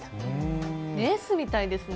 レースみたいですね